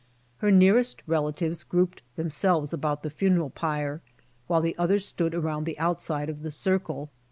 Her nearest relatives grouped themselves about the funeral pyre, while the others stood around the outside of the circle.